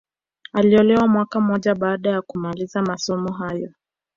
Aliolewa mwaka mmoja baada ya kumaliza masomo hayo